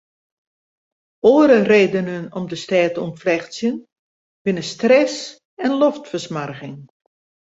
Oare redenen om de stêd te ûntflechtsjen binne stress en loftfersmoarging.